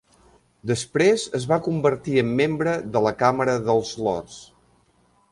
Després es va convertir en membre de la Càmera dels Lores.